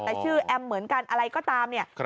แต่ชื่อแอมเหมือนกันอะไรก็ตามเนี่ย